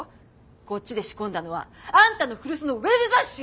こっちで仕込んだのはあんたの古巣のウェブ雑誌よ！